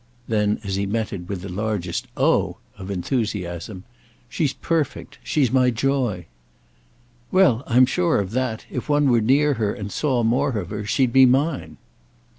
Then as he met it with the largest "Oh!" of enthusiasm: "She's perfect. She's my joy." "Well, I'm sure that—if one were near her and saw more of her—she'd be mine."